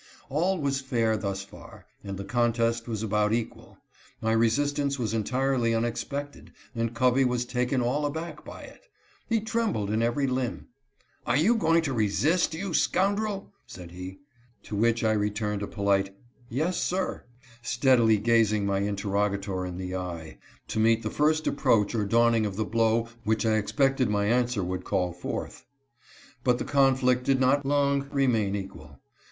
All was fair thus far, and the contest was about equal. My resistance was entirely unexpected and Covey was taken all aback by it. He trembled in every limb. " Are you going to resist, you scoundrel?" said he. To which I returned a polite " Yes, sir," steadily gazing my interrogator in the eye, to meet the first approach or dawning of the blow which I expected my answer would call forth. But the conflict did not long remain equal.